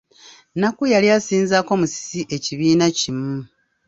Nnakku yali asinzaako Musisi ekibiina kimu.